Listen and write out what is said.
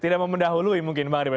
tidak mau mendahului mungkin bang ribet